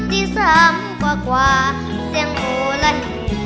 ที่สามกว่ากว่าเสียงโอละหนู